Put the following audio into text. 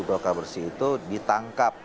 golkar bersih itu ditangkap